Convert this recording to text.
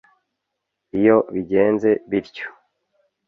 Iyo bigenze bityo